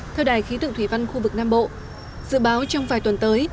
theo đài khí tượng thủy văn khu vực nam bộ dự báo trong vài tuần tới